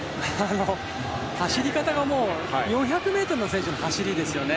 走り方がもう４００ｍの走りですよね。